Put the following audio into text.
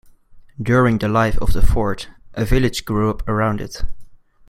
During the life of the fort, a village grew up around it.